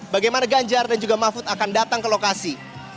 bagaimana ganjar dan juga mahfud akan datang ke lokasi